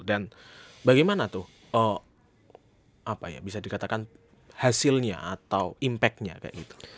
dan bagaimana tuh apa ya bisa dikatakan hasilnya atau impact nya kayak gitu